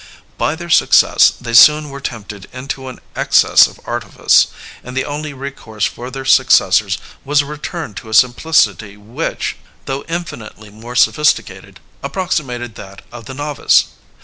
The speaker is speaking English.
By their success they soon were tempted into an excess of artifice, and the only recourse for their successors was a return to a simplicity which, though infinitely more sophisticated, approximated that of the novice.